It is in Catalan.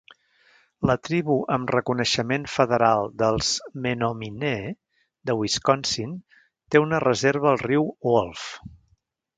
La tribu amb reconeixement federal dels menominee de Wisconsin té una reserva al riu Wolf.